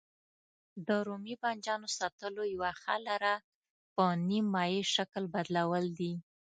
د رومي بانجانو ساتلو یوه ښه لاره په نیم مایع شکل بدلول دي.